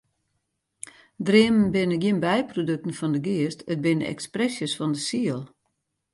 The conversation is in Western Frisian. Dreamen binne gjin byprodukten fan de geast, it binne ekspresjes fan de siel.